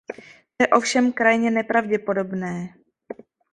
To je ovšem krajně nepravděpodobné.